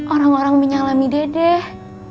orang orang menyalami dedek